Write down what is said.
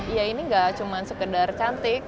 ya ini nggak cuma sekedar cantik